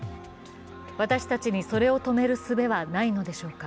私たちにそれを止めるすべはないのでしょうか